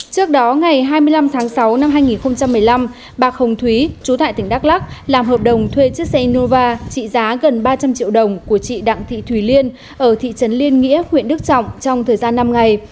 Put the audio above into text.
trước đó ngày hai mươi năm tháng sáu năm hai nghìn một mươi năm bà hồng thúy chú tại tỉnh đắk lắc làm hợp đồng thuê chiếc xe nova trị giá gần ba trăm linh triệu đồng của chị đặng thị thùy liên ở thị trấn liên nghĩa huyện đức trọng trong thời gian năm ngày